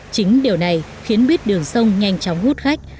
chính điều này khiến buýt đường sông nhanh chóng hút khách